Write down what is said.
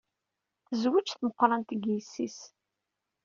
Tezweǧ tmeqrant deg yessi-s.